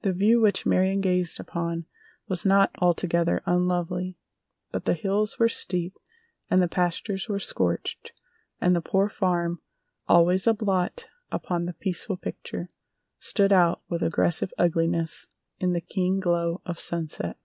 The view which Marion gazed upon was not altogether unlovely, but the hills were steep and the pastures were scorched and the Poor Farm, always a blot upon the peaceful picture, stood out with aggressive ugliness in the keen glow of sunset.